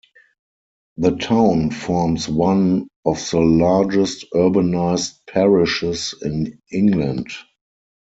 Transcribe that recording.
The town forms one of the largest urbanised parishes in England.